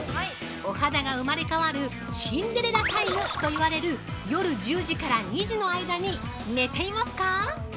お肌が生まれ変わるシンデレラタイムといわれる夜１０時から２時の間に寝ていますか？